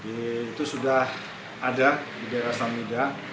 itu sudah ada di daerah samida